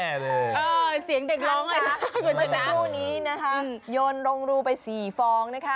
แอ้เลยคันคะมันเป็นรูนี้นะครับโยนลงรูไป๔ฟองนะคะ